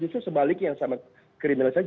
justru sebaliknya sama kriminalisasi